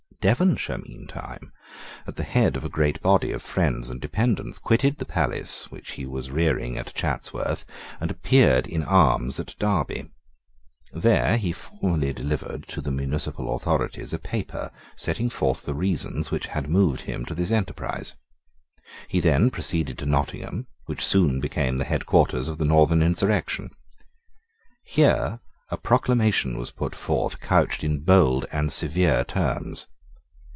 Devonshire meantime, at the head of a great body of friends and dependents, quitted the palace which he was rearing at Chatsworth, and appeared in arms at Derby. There he formally delivered to the municipal authorities a paper setting forth the reasons which had moved him to this enterprise. He then proceeded to Nottingham, which soon became the head quarters of the Northern insurrection. Here a proclamation was put forth couched in bold and severe terms.